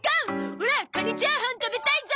オラカニチャーハン食べたいゾ！